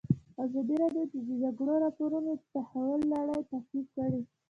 ازادي راډیو د د جګړې راپورونه د تحول لړۍ تعقیب کړې.